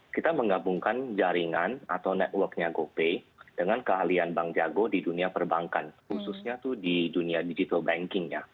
kita menggabungkan jaringan atau networknya gopay dengan keahlian bank jago di dunia perbankan khususnya itu di dunia digital bankingnya